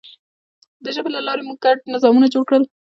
د ژبې له لارې موږ ګډ نظامونه جوړ کړل.